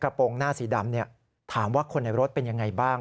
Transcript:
โปรงหน้าสีดำถามว่าคนในรถเป็นยังไงบ้าง